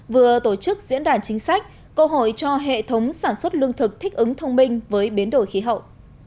vừa tổ chức diễn đoàn chính sách câu hỏi cho hệ thống sản xuất lương thực thích ứng thông minh với biến đổi khí hậu